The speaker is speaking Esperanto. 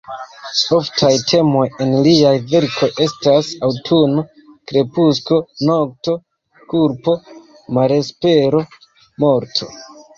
Oftaj temoj en liaj verkoj estas: aŭtuno, krepusko, nokto; kulpo, malespero, morto.